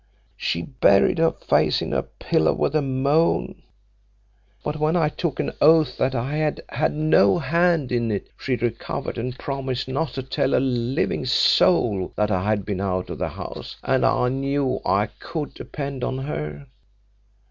She buried her face in her pillow with a moan, but when I took an oath that I had had no hand in it she recovered, and promised not to tell a living soul that I had been out of the house and I knew I could depend on her.